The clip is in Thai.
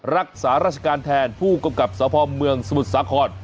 รักษาราชการแทนผู้กำกับสพเมืองสมุทรสาคร